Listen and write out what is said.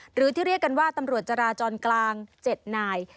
หรือที่เรียกกันว่าตำรวจจราจรกลาง๗นาย